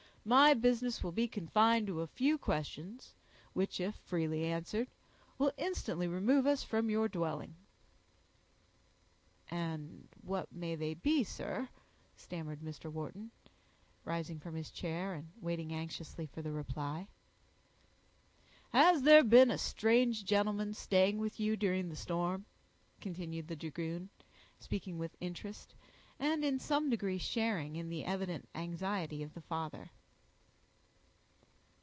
"My business will be confined to a few questions, which, if freely answered, will instantly remove us from your dwelling." "And what may they be, sir?" stammered Mr. Wharton, rising from his chair and waiting anxiously for the reply. "Has there been a strange gentleman staying with you during the storm?" continued the dragoon, speaking with interest, and in some degree sharing in the evident anxiety of the father.